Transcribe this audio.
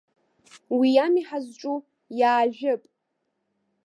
Уи ами ҳазҿу, иаажәып!